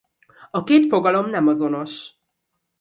A két fogalom nem azonos.